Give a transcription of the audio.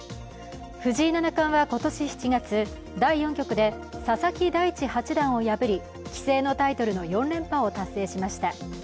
藤井七冠は今年７月、第４局で佐々木大地八段を破り、棋聖のタイトルの４連覇を達成しました。